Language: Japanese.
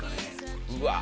うわ。